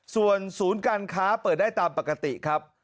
ส่วนศูนย์การค้าเปิดได้ตามปกติครับ